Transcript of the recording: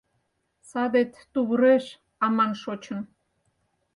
«Садет тувыреш, аман, шочын...